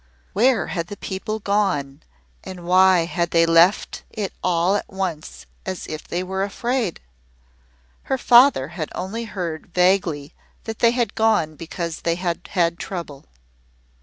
Where had the people gone and why had they left it all at once as if they were afraid? Her father had only heard vaguely that they had gone because they had had trouble.